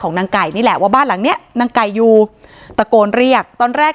นางไก่นี่แหละว่าบ้านหลังเนี้ยนางไก่อยู่ตะโกนเรียกตอนแรก